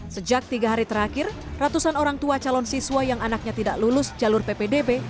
sejak tiga hari terakhir ratusan orang tua calon siswa yang anaknya tidak lulus jalur ppdb